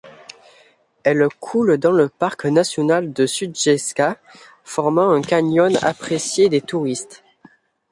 Elle coule dans le parc national de Sutjeska, formant un canyon apprécié des touristes.